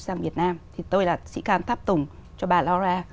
sang việt nam thì tôi là sĩ can tháp tùng cho bà laura